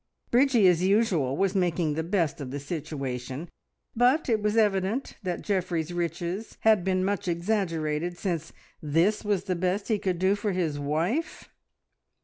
Bridgie as usual was making the best of the situation, but it was evident that Geoffrey's riches had been much exaggerated, since this was the best he could do for his wife.